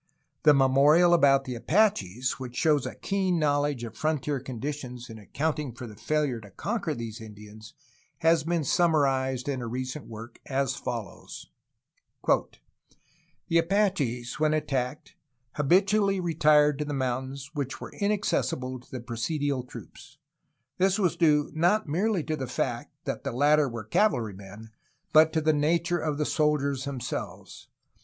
The memorial about the Apaches, which shows a keen knowledge of frontier conditions in accounting for the failure to conquer these Indians, has been summarized in a recent work as follows : PROGRESS OF OVERLAND ADVANCE 203 "The Apaches, when attacked, habitually retired to the moun tains which were inaccessible to the presidial troops. This was due not merely to the fact that the latter were cavalrymen, but to the nature of the soldiers themselves.